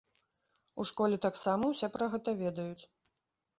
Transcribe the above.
У школе таксама ўсе пра гэта ведаюць.